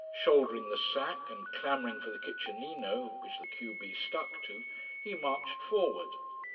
Shouldering the sack, and clamouring for the kitchenino which the q b stuck to, he marched forward.